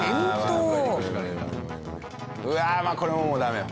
うわこれもうダメよ。